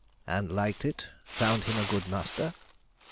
"And liked it? found him a good master?"